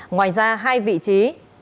ngoài ra hai vị trí